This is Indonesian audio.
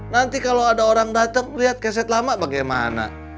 nanti kalau ada orang datang lihat keset lama bagaimana